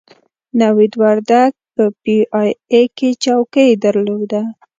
نوید وردګ په پي ای اې کې چوکۍ درلوده.